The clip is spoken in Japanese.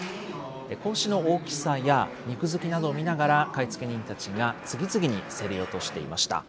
子牛の大きさや肉づきなどを見ながら、買い付け人たちが次々に競り落としていました。